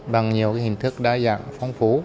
bằng nhiều hình thức đa dạng phong phú